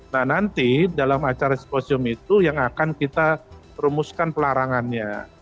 nah nanti dalam acara sisposium itu yang akan kita rumuskan pelarangannya